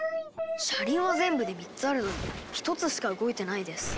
車輪は全部で３つあるのに１つしか動いてないです。